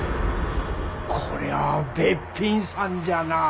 こりゃあべっぴんさんじゃなあ。